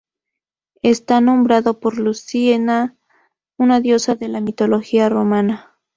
Está nombrado por Lucina, una diosa de la mitología romana.